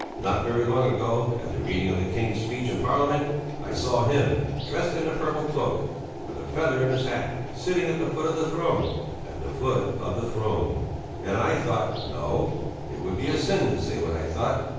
Not very long ago, at the reading of the King's Speech in Parliament, I saw him, dressed in a purple cloak, with a feather in his hat, sitting at the foot of the throne (at the foot of the throne!) and I thought no, it would be a sin to say what I thought.